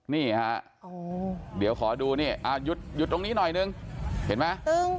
นี่ฮะเดี๋ยวขอดูนี่หยุดตรงนี้หน่อยนึงเห็นไหม